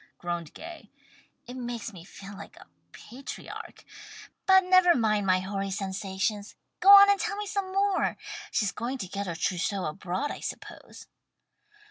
groaned Gay. "It makes me feel like a patriarch. But never mind my hoary sensations, go on and tell me some more. She's going to get her trousseau abroad I suppose."